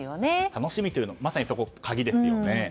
楽しみというまさにそこが鍵ですよね。